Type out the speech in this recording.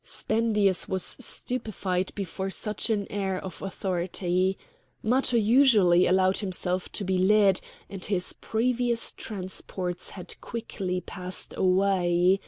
Spendius was stupefied before such an air of authority. Matho usually allowed himself to be led, and his previous transports had quickly passed away.